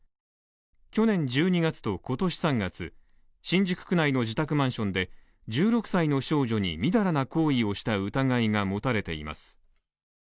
去年１２月と今年３月、新宿区内の自宅マンションで１６歳の少女にみだらな行為をした疑いが持たれています。